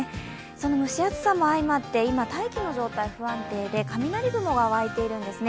その蒸し暑さも相まって、今、大気の状態が不安定で雷雲が湧いているんですね。